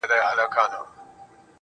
د څه ووايم سرې تبې نيولی پروت دی_